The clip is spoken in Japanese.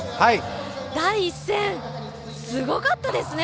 第１戦、すごかったですね